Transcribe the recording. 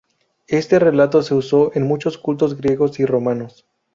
Este relato se usó en muchos cultos griegos y romanos.